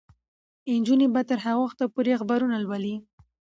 نجونې به تر هغه وخته پورې اخبارونه لولي.